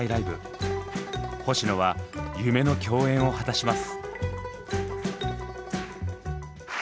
星野は夢の共演を果たします。